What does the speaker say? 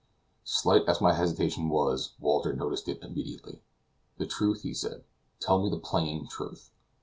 Slight as my hesitation was, Walter noticed it immediately. "The truth," he said; "tell me the plain truth."